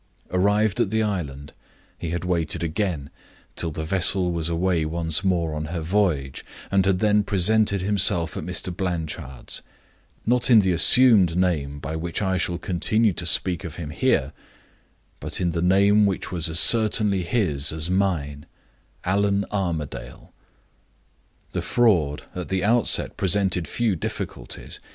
Arrived at the island, he had waited again till the vessel was away once more on her voyage, and had then presented himself at Mr. Blanchard's not in the assumed name by which I shall continue to speak of him here, but in the name which was as certainly his as mine, 'Allan Armadale.' The fraud at the outset presented few difficulties.